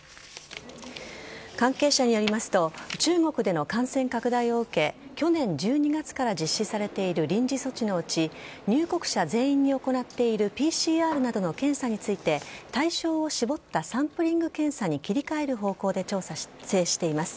関係者によりますと中国での感染拡大を受け去年１２月から実施されている臨時措置のうち入国者全員に行っているＰＣＲなどの検査について対象を絞ったサンプリング検査に切り替える方向で調整しています。